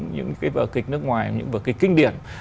những vợ kịch nước ngoài những vợ kịch kinh điển